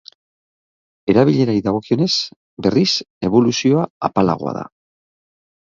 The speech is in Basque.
Erabilerari dagokionez, berriz, eboluzioa apalagoa da.